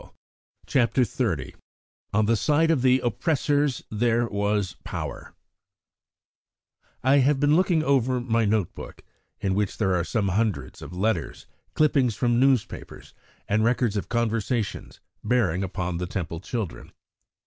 268. CHAPTER XXX On the Side of the Oppressors there was Power I HAVE been looking over my note book, in which there are some hundreds of letters, clippings from newspapers, and records of conversations bearing upon the Temple children.